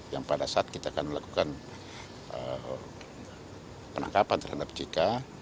yang pada saat kita akan melakukan penangkapan terhadap jk